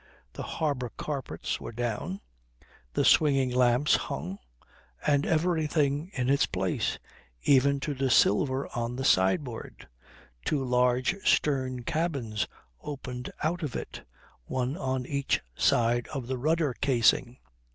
The harbour carpets were down, the swinging lamps hung, and everything in its place, even to the silver on the sideboard. Two large stern cabins opened out of it, one on each side of the rudder casing.